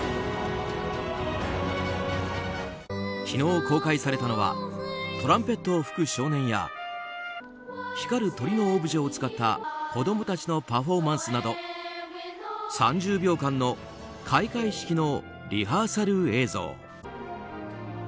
昨日、公開されたのはトランペットを吹く少年や光る鳥のオブジェを使った子供たちのパフォーマンスなど３０秒間の開会式のリハーサル映像。